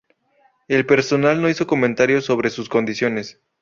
El personal no hizo comentarios sobre sus condiciones.